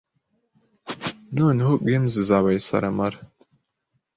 noneho games zabaye salamara,